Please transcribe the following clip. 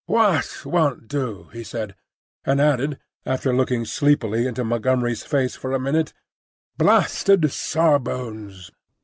"Wha' won't do?" he said, and added, after looking sleepily into Montgomery's face for a minute, "Blasted Sawbones!"